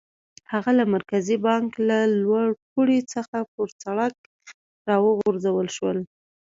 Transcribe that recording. هغه له مرکزي بانک له لوړ پوړ څخه پر سړک را وغورځول شو.